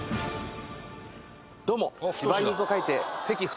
どうも柴犬と書いて。